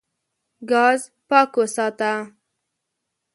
ګاز پاک وساته.